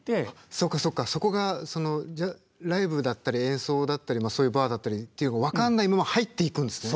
あそうかそうかそこがライブだったり演奏だったりのそういうバーだったりっていうの分かんないまま入っていくんですね。